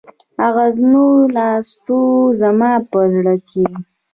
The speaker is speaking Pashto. اغزنو ناستو زما په زړه کې.